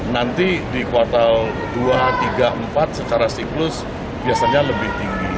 nanti di kuartal dua tiga empat secara siklus biasanya lebih tinggi